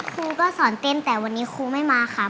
ครูก็สอนเต้นแต่วันนี้ครูไม่มาค่ะ